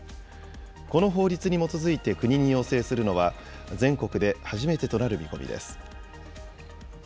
この法律に基づいて国に要請するのは全国で初めてとなる見込みです。